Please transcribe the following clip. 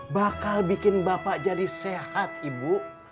bakal bikin bapak jadi sehat ibu